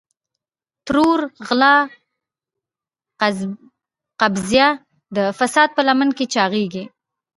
ترور، غلا او قبضه د فساد په لمن کې چاغېږي.